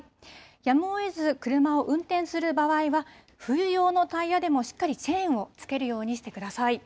やむをえず車を運転する場合は、冬用のタイヤでもしっかりチェーンをつけるようにしてください。